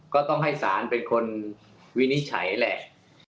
ก็ต้องให้ศาลเป็นคนวินิจฉัยแหละ